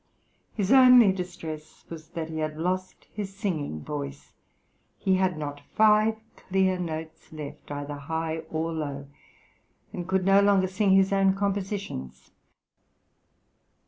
His only distress was that he had lost his singing voice; he had not five clear notes left, either high or low, and could no longer sing his own compositions.